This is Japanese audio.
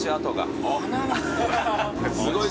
すごい。